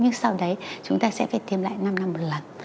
nhưng sau đấy chúng ta sẽ phải tiêm lại năm năm một lần